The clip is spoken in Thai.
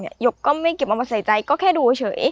หยกก็ไม่เก็บเอามาใส่ใจก็แค่ดูเฉย